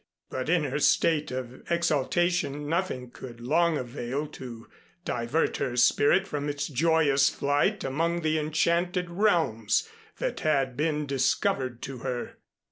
But in her state of exaltation nothing could long avail to divert her spirit from its joyous flight among the enchanted realms that had been discovered to her.